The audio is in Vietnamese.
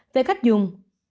về cách dùng